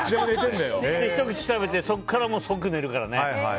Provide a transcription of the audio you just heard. ひと口食べてそこから即寝るからね。